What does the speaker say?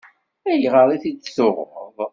Ayɣer i t-id-tuɣeḍ?